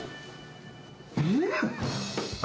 うん？